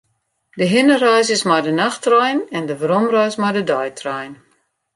De hinnereis is mei de nachttrein en de weromreis mei de deitrein.